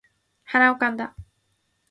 鼻をかんだ